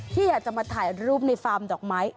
ที่อยากจะมาถ่ายรูปในฟาร์มดอกไม้